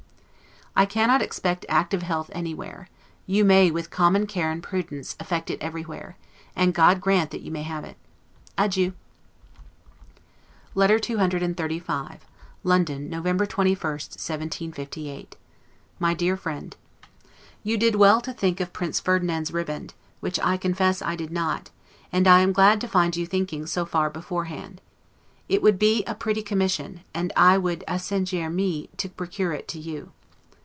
I cannot expect active health anywhere; you may, with common care and prudence, effect it everywhere; and God grant that you may have it! Adieu. LETTER CCXXXV LONDON, November 21, 1758. MY DEAR FRIEND: You did well to think of Prince Ferdinand's ribband, which I confess I did not; and I am glad to find you thinking so far beforehand. It would be a pretty commission, and I will 'accingere me' to procure it to you.